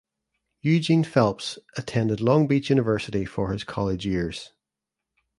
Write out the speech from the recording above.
Eugene Phelps attended Long Beach University for his college years.